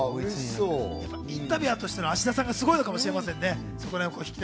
インタビュアーとしての芦田さんがすごいのかもしれませんね。